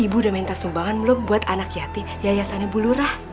bu ibu udah minta sumbangan belum buat anak yatim yayasannya bulurah